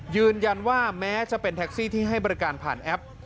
ยืนยันว่าแม้จะเป็นแท็กซี่ที่ให้บริการผ่านแอป